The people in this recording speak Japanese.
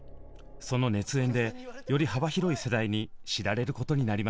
その熱演でより幅広い世代に知られることになりました。